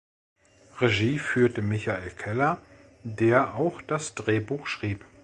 Regie führte Michael Keller, der auch das Drehbuch schrieb.